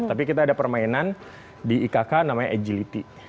tapi kita ada permainan di ikk namanya agility